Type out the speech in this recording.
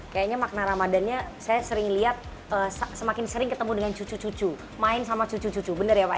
kayaknya makna ramadannya saya sering lihat semakin sering ketemu dengan cucu cucu main sama cucu cucu bener ya pak